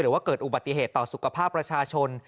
ว่าเกิดอุบัติเหตุต่อสุขภาพประชาชน